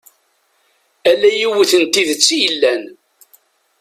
Ala yiwet n tidet i yellan.